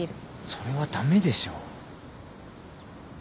それは駄目でしょう。